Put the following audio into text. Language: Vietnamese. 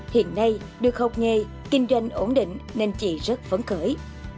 hiện nay được học nghề kinh doanh ổn định nên chị rất phấn khởi